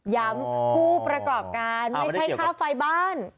ผู้ประกอบการไม่ใช่ค่าไฟบ้าน